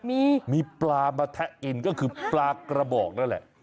มีมีปลามาแทะกินก็คือปลากระบอกนั่นแหละ